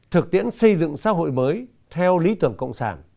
thực tiễn xây dựng xã hội mới theo lý tưởng cộng sản